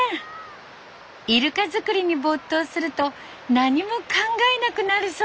イルカ作りに没頭すると何も考えなくなるそうです。